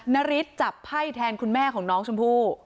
นาริสจับไพ่แทนคุณแม่ของน้องชมพู่